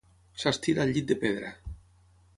S'estira al llit de pedra.